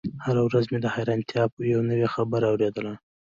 هره ورځ مې د حيرانتيا يوه نوې خبره اورېدله.